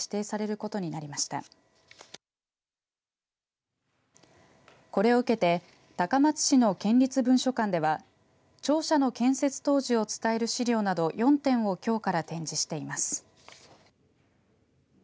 これを受けて高松市の県立文書館では庁舎の建設当時を伝える資料など４点をきょうから展示しています。